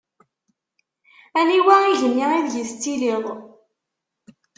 Aniwa igenni ideg i tettiliḍ?